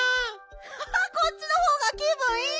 アハハこっちのほうが気ぶんいい。